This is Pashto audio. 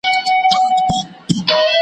دا وینا یې په څو څو ځله کوله .